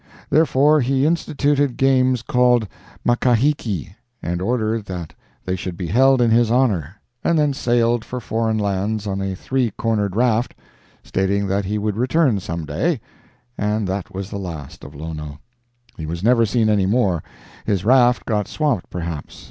Therefore, he instituted games called makahiki, and ordered that they should be held in his honor, and then sailed for foreign lands on a three cornered raft, stating that he would return some day, and that was the last of Lono. He was never seen anymore; his raft got swamped, perhaps.